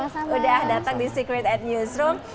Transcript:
sama sama udah datang di secret at newsroom